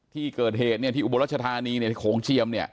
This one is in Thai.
ที่เกิดเหตุที่บรรชธานีโขงเชียม